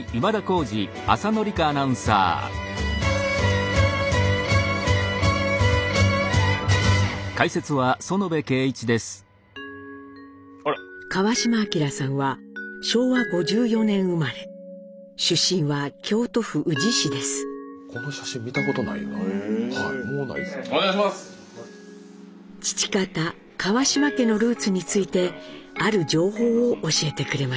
父方・川島家のルーツについてある情報を教えてくれました。